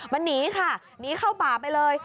มันหนีค่ะหนีเข้าป่าไปเลย